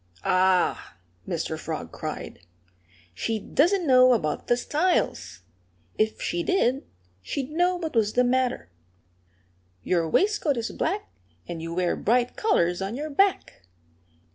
"Ah!" Mr. Frog cried. "She doesn't know about the styles. If she did, she'd know what was the matter. Your waistcoat is black; and you wear bright colors on your back.